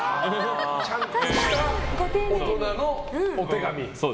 ちゃんとした大人のお手紙。